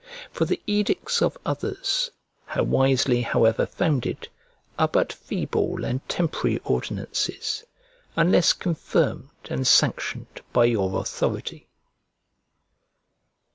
For the edicts of others, how wisely however founded, are but feeble and temporary ordinances, unless confirmed and sanctioned by your authority.